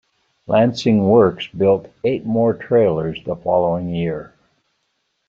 Lancing Works built eight more trailers the following year.